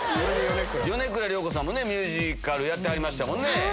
米倉涼子さんもミュージカルやってはりましたもんね。